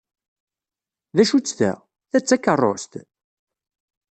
D acu-tt ta? Ta d takeṛṛust?